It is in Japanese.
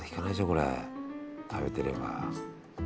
これ食べてれば。